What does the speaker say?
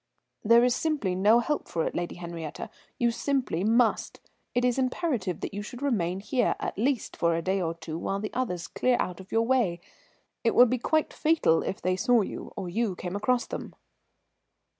"There is simply no help for it, Lady Henriette. You simply must. It is imperative that you should remain here at least for a day or two while the others clear out of your way. It would be quite fatal if they saw you or you came across them."